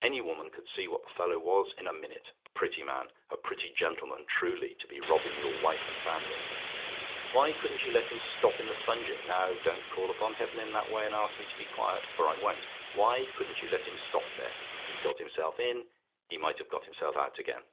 Any woman could see what the fellow was in a minute. Prettyman! a pretty gentleman, truly, to be robbing your wife and family! "Why couldn't you let him stop in the sponging Now don't call upon heaven in that way, and ask me to be quiet, for I won't. Why couldn't you let him stop there? He got himself in; he might have got himself out again.